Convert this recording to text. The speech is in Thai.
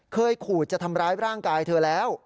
เคยขู่จะทำร้ายร่างกายเธอแล้ว